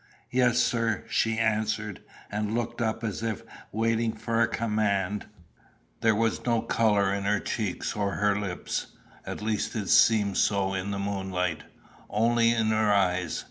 "Yes, sir," she answered, and looked up as if waiting for a command. There was no colour in her cheeks or in her lips at least it seemed so in the moonlight only in her eyes.